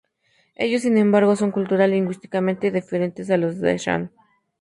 Ellos sin embargo, son cultural y lingüísticamente diferente de los shan.